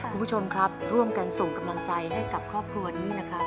คุณผู้ชมครับร่วมกันส่งกำลังใจให้กับครอบครัวนี้นะครับ